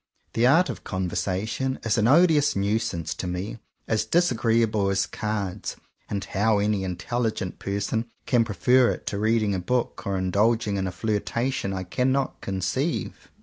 The art of conversation is an odious nuisance to me, — as disagreeable as cards; — and how any intelligent person can prefer it to reading a book, or indulging in a flirtation, I cannot conceive.